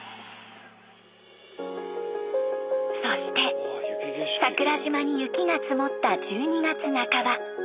そして桜島に雪が積もった１２月半ば。